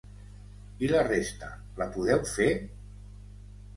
I la resta, la podeu fer?